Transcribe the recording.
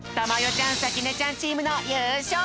ちゃんさきねちゃんチームのゆうしょう！